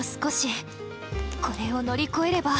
これを乗り越えれば。